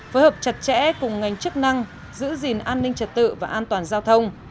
phối hợp chặt chẽ cùng ngành chức năng giữ gìn an ninh trật tự và an toàn giao thông